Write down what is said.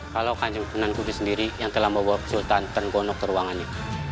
kalau kanjeng senang kudus sendiri yang telah membawa sultan tenggonok teruangannya